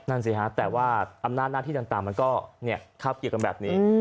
สิฮะแต่ว่าอำนาจหน้าที่ต่างมันก็คาบเกี่ยวกันแบบนี้